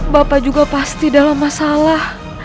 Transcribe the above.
bapak juga pasti dalam masalah